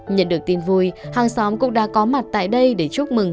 nhận được tin vui hàng xóm cũng đã có mặt tại đây để chúc mừng